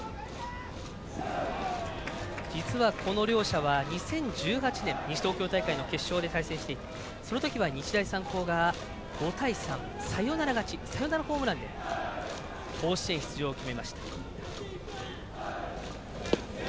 実は、この両者は２０１８年西東京大会の決勝で対戦してその時は日大三高が５対３サヨナラ勝ちサヨナラホームランで甲子園出場を決めました。